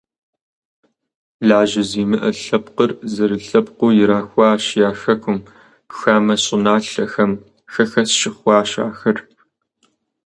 Лажьэ зимыӀэ лъэпкъыр зэрылъэпкъыу ирахуащ я хэкум, хамэ щӀыналъэхэм хэхэс щыхъуащ ахэр.